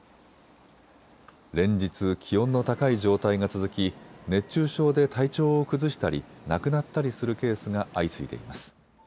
連日、気温の高い状態が続き熱中症で体調を崩したり亡くなったりするケースが相次いでいます。